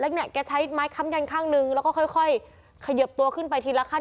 แล้วเนี่ยแกใช้ไม้ค้ำยันข้างนึงแล้วก็ค่อยเขยิบตัวขึ้นไปทีละขั้น